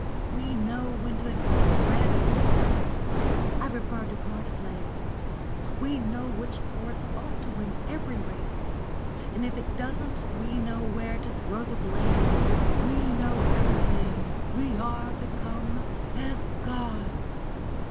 We know when to expect red or black I refer to card playing; we know which horse ought to win every race, and if it doesn't we know where to throw the blame; we know everything; we are become as gods!"